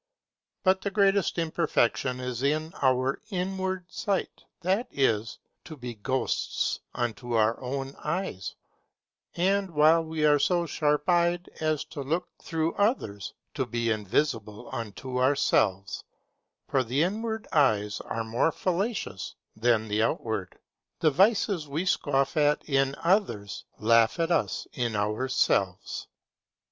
But the greatest imperfection is in our inward sight, that is, to be ghosts unto our own eyes; and while we are so sharp sighted as to look through others, to be invisible unto ourselves; for the inward eyes are more fallacious than the outward. The vices we scoff at in others, laugh at us within ourselves.